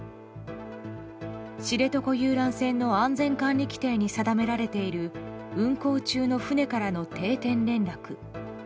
知床遊覧船の安全管理規程に定められている運航中の船からの定点連絡。